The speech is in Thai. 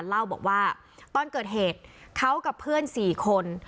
เล่าบอกว่าตอนเกิดเหตุเขากับเพื่อน๔คน